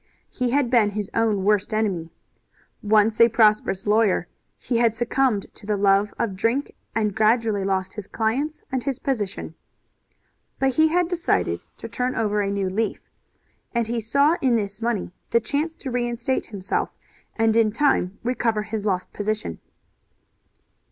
He had been his own worst enemy. Once a prosperous lawyer he had succumbed to the love of drink and gradually lost his clients and his position. But he had decided to turn over a new leaf, and he saw in this money the chance to reinstate himself, and in time recover his lost position.